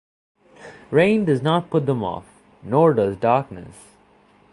Rain does not put them off, nor does darkness.